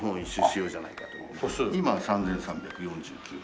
今３３４９歩。